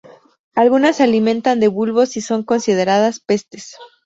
Algunas se alimentan de bulbos y son consideradas pestes.